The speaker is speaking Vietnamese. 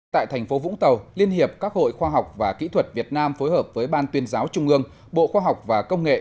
tại thành phố vũng tàu liên hiệp các hội khoa học và kỹ thuật việt nam phối hợp với ban tuyên giáo trung ương bộ khoa học và công nghệ